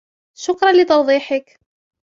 شكراً لتوضيحك.